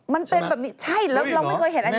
มันเป็นแบบนี้ใช่แล้วเราไม่เคยเห็นอันนี้